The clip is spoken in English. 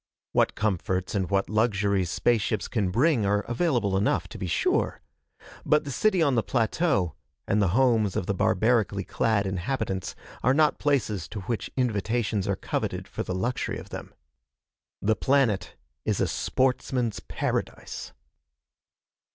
What comforts and what luxuries spaceships can bring are available enough, to be sure. But the city on the plateau, and the homes of the barbarically clad inhabitants are not places to which invitations are coveted for the luxury of them. The planet is a sportman's paradise.